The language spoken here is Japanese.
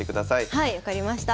はい分かりました。